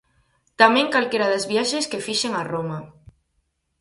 Tamén calquera das viaxes que fixen a Roma.